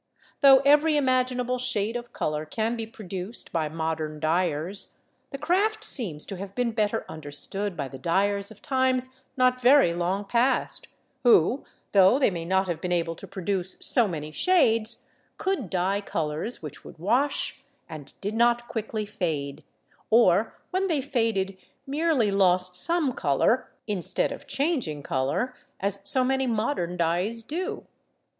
Though every imaginable shade of colour can be produced by modern dyers, the craft seems to have been better understood by the dyers of times not very long past, who, though they may not have been able to produce so many shades, could dye colours which would wash and did not quickly fade, or when they faded merely lost some colour, instead of changing colour, as so many modern dyes do.